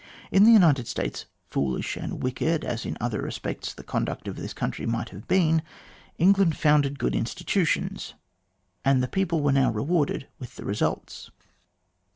In the United States, foolish and wicked as in other respects the conduct of this country might have been, England founded good institutions, and the people were now rewarded with the results.